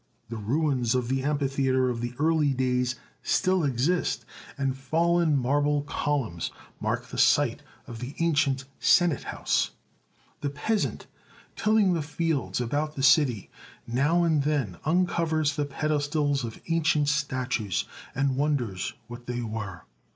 The ruins of the amphitheatre of the early days still exist, and fallen marble columns mark the site of the ancient senate house. The peasant, tilling the fields about the city, now and then uncovers the pedestals of ancient statues, and wonders what they were.